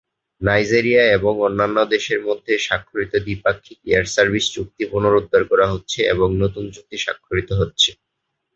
Nigeria এবং অন্যান্য দেশের মধ্যে স্বাক্ষরিত দ্বিপাক্ষিক এয়ার সার্ভিস চুক্তি পুনরুদ্ধার করা হচ্ছে এবং নতুন চুক্তি স্বাক্ষরিত হচ্ছে।